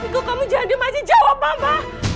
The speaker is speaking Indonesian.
igo kamu jangan dimasih jawab ma